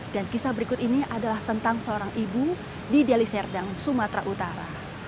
dan kisah berikut ini adalah tentang seorang ibu di deliserdang sumatera utara